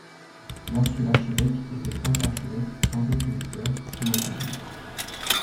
Lorsque l'archevêque était prince-archevêque sans être électeur, son ' était dit '.